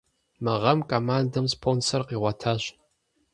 Мы гъэм командэм спонсор къигъуэтащ.